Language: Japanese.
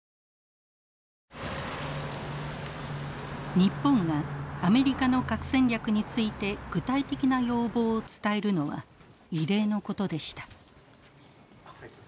日本がアメリカの核戦略について具体的な要望を伝えるのは異例のことでした。